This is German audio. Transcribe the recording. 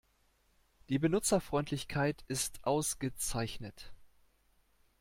Die Benutzerfreundlichkeit ist ausgezeichnet.